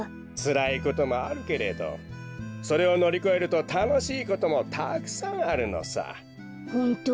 つらいこともあるけれどそれをのりこえるとたのしいこともたくさんあるのさ。